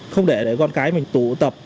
không để con cái mình tụ tập